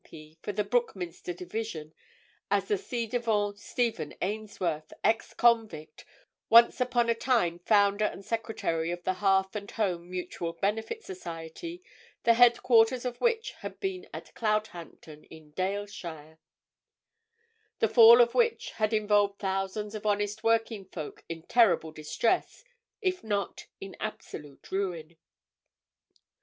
P. for the Brookminster Division, as the ci devant Stephen Ainsworth, ex convict, once upon a time founder and secretary of the Hearth and Home Mutual Benefit Society, the headquarters of which had been at Cloudhampton, in Daleshire; the fall of which had involved thousands of honest working folk in terrible distress if not in absolute ruin.